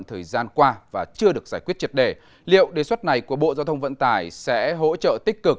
thời gian qua và chưa được giải quyết triệt đề liệu đề xuất này của bộ giao thông vận tải sẽ hỗ trợ tích cực